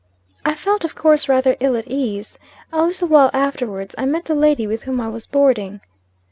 "I felt, of coarse, rather ill at ease. A little while afterwards, I met the lady with whom I was boarding.